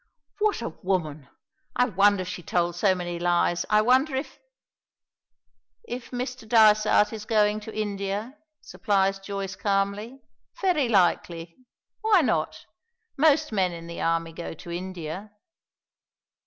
"What a woman! I wonder she told so many lies. I wonder if " "If Mr. Dysart is going to India," supplies Joyce calmly. "Very likely. Why not. Most men in the army go to India."